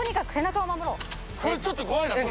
ちょっと怖いな。